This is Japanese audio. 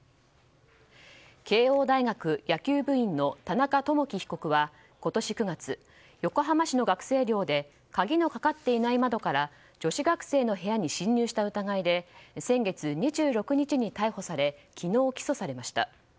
慶應大学野球部員の田中智貴被告は今年９月、横浜市の学生寮で鍵のかかっていない窓から女子学生の部屋に侵入した疑いで先月２６日に逮捕され昨日、起訴されました。